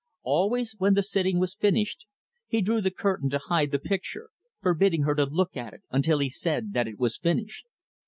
Always, when the sitting was finished, he drew the curtain to hide the picture; forbidding her to look at it until he said that it was finished.